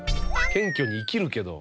謙虚に生きるけど。